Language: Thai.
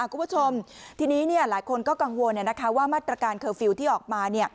คุณผู้ชมทีนี้หลายคนก็กังวลว่ามาตรการเคอร์ฟิลล์ที่ออกมา